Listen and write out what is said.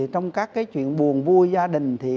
trong các chuyện buồn vui gia đình